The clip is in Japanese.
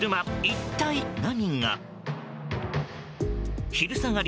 一体何が。